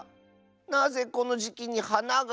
なぜこのじきにはなが。